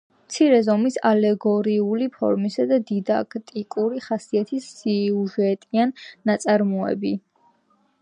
მცირე ზომის ალეგორიული ფორმისა და დიდაქტიკური ხასიათის სიუჟეტიანი ნაწარმოები